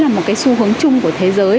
một cái xu hướng chung của thế giới